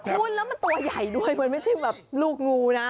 คุณแล้วมันตัวใหญ่ด้วยมันไม่ใช่แบบลูกงูนะ